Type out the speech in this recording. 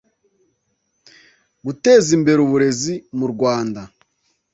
guteza imbere uburezi mu rwanda